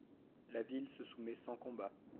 La ville se soumet sans combat.